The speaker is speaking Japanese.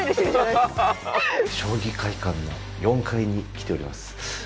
将棋会館の４Ｆに来ております。